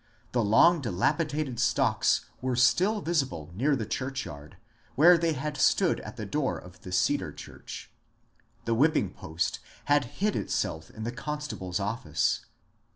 The long dilapi dated stocks were still visible near the churchyard, where they had stood at the door of the Cedar church. The whipping post had hid itself in the constable's office.